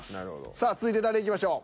さあ続いて誰いきましょう？